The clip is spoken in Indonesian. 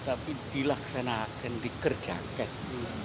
tapi dilaksanakan dikerjakan